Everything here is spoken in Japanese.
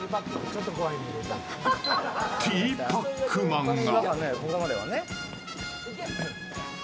ティーパックマンが。